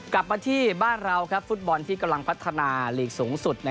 กลับมาที่บ้านเราฟุตบอลที่กำลังพัฒนาลีกสูงสุด